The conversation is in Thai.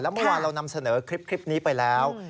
เมื่อวานเรานำเสนอคลิปนี้ไปแล้ว